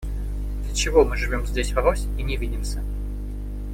Для чего мы живем здесь врозь и не видимся?